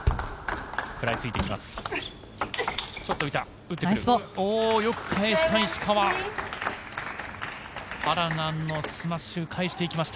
食らいついていきます。